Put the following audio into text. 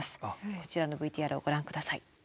こちらのＶＴＲをご覧下さい。